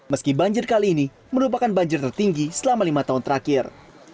meski banjir kali ini merupakan banjir tertinggi selama lima tahun terakhir